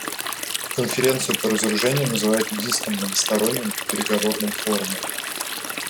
Конференцию по разоружению называют единственным многосторонним переговорным форумом.